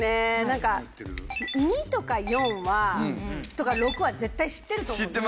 なんか２とか４とか６は絶対知ってると思うんです。